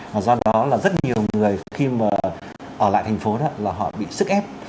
và do đó là rất nhiều người khi mà ở lại thành phố đó là họ bị sức ép